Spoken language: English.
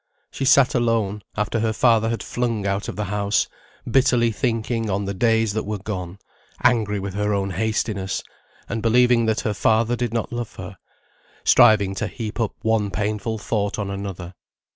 She sat alone, after her father had flung out of the house, bitterly thinking on the days that were gone; angry with her own hastiness, and believing that her father did not love her; striving to heap up one painful thought on another.